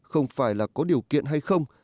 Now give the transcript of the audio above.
không phải là có điều kiện hay không